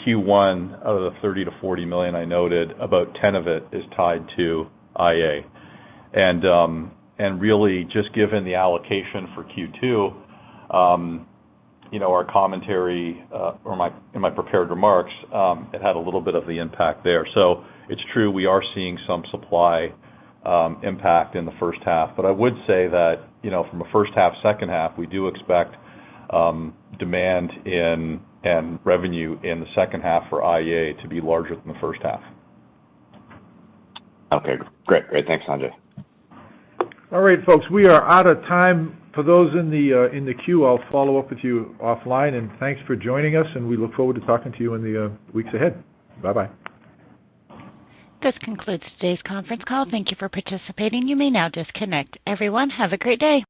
Q1, out of the $30-$40 million I noted, about $10 million of it is tied to IA. Really just given the allocation for Q2, you know, our commentary in my prepared remarks, it had a little bit of the impact there. It's true, we are seeing some supply impact in the first half. I would say that, you know, from a first half, second half, we do expect demand in and revenue in the second half for IA to be larger than the first half. Okay. Great. Thanks, Sanjay. All right, folks. We are out of time. For those in the queue, I'll follow up with you offline, and thanks for joining us, and we look forward to talking to you in the weeks ahead. Bye-bye. This concludes today's conference call. Thank you for participating. You may now disconnect. Everyone, have a great day.